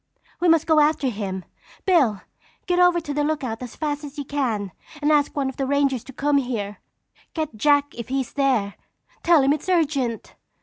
"We must go after him! Bill, get over to the lookout as fast as you can and ask one of the rangers to come here. Get Jack if he's there. Tell him it's urgent."